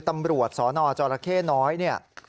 ตำรวจสนจรเข้น้อยเนี่ย